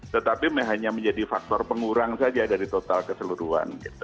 tetapi hanya menjadi faktor pengurang saja dari total keseluruhan